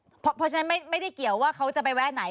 เพราะฉะนั้นไม่ได้เกี่ยวว่าเขาจะไปแวะไหน